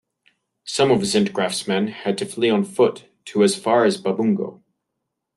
Some of Zintgraff's men had to flee on foot to as far as Babungo.